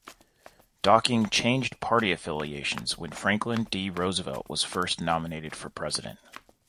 Docking changed party affiliations when Franklin D. Roosevelt was first nominated for president.